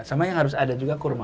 sama yang harus ada juga kurma